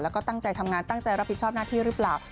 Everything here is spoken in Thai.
แล้วก็ตั้งใจทำงานตั้งใจรับผิดชอบหน้าที่หรือเปล่า